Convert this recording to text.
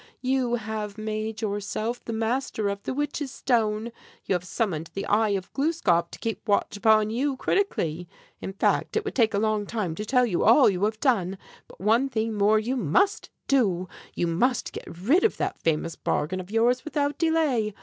You have made yourself the master of the 'Witch's Stone.' You have summoned the 'Eye of Gluskâp' to keep watch upon you critically. In fact, it would take a long time to tell you all you have done. But one thing more you must do, you must get rid of that famous bargain of yours without delay.